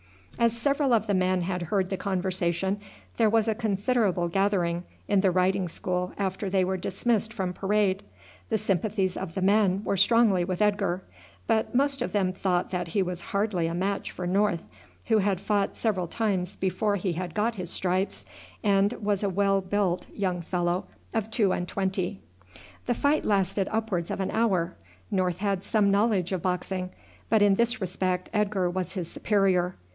As several of the men had heard the conversation there was a considerable gathering in the riding school after they were dismissed from parade. The sympathies of the men were strongly with Edgar; but most of them thought that he was hardly a match for North, who had fought several times before he had got his stripes, and was a well built young fellow of two and twenty. The fight lasted upwards of an hour. North had some knowledge of boxing, but in this respect Edgar was his superior.